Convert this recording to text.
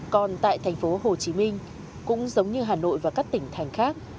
còn tại thành phố hồ chí minh cũng giống như hà nội và các tỉnh thành khác